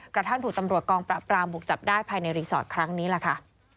กระทั่งถูกตำรวจกองปราบปรามบุกจับได้ภายในรีสอร์ทครั้งนี้แหละค่ะ